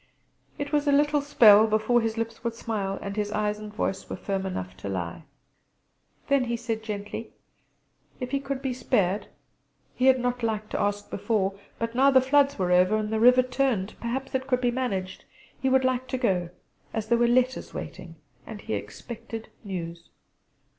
It was a little spell before his lips would smile, and eyes and voice were firm enough to lie. Then he said gently: If he could be spared he had not liked to ask before, but now the floods were over and the river turned perhaps it could be managed he would like to go, as there were letters waiting, and he expected news.